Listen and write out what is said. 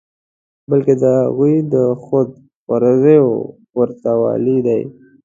بلکې د هغوی د خود غرضیو ورته والی دی.